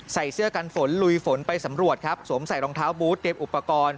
ใส่เสื้อกันฝนลุยฝนไปสำรวจครับสวมใส่รองเท้าบูธเตรียมอุปกรณ์